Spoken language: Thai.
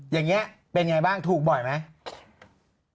อย่างนี้เป็นไงบ้างถูกบ่อยไหม